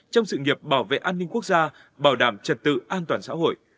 trong sự nghiệp bảo vệ an ninh quốc gia bảo đảm trật tự an toàn xã hội